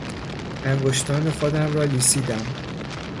انگشتان خودم را لیسیدم.